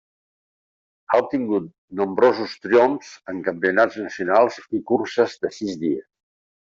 Ha obtingut nombrosos triomfs en campionats nacionals i curses de sis dies.